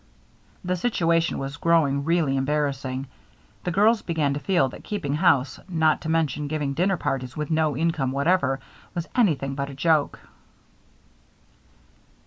The situation was growing really embarrassing. The girls began to feel that keeping house, not to mention giving dinner parties, with no income whatever, was anything but a joke.